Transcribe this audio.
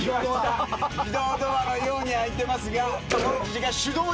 自動ドアのように開いてますが。